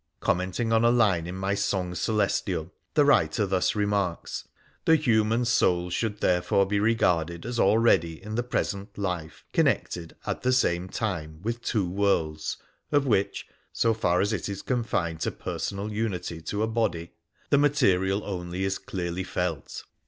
Commenting on a line in my ' Song Celestial,' the writer thus remarks :' The human soul should therefore be regarded as already in the present life connected at the same time with vi INTRODUCTION two worlds, of which, so far as it is confined to personal unity to a body, the material only is clearly felt.